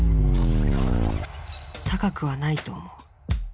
高くはないと思う。